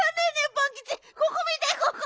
パンキチここ見てここ！